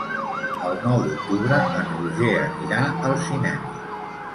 El nou d'octubre en Roger anirà al cinema.